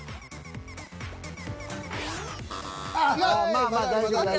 まあまあ大丈夫大丈夫。